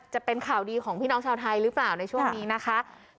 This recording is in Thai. จะเป็นข่าวดีของพี่น้องชาวไทยหรือเปล่าในช่วงนี้นะคะ